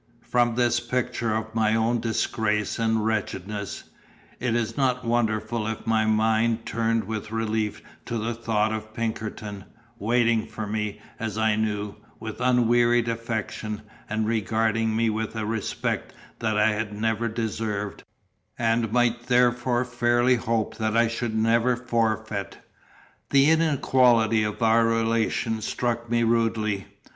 From this picture of my own disgrace and wretchedness, it is not wonderful if my mind turned with relief to the thought of Pinkerton, waiting for me, as I knew, with unwearied affection, and regarding me with a respect that I had never deserved, and might therefore fairly hope that I should never forfeit. The inequality of our relation struck me rudely.